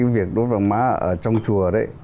việc đốt vàng mã trong chùa